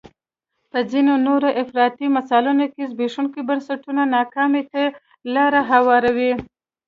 په ځینو نورو افراطي مثالونو کې زبېښونکي بنسټونه ناکامۍ ته لار هواروي.